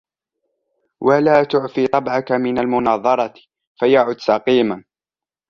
وَلَا تُعْفِ طَبْعَك مِنْ الْمُنَاظَرَةِ فَيَعُدْ سَقِيمًا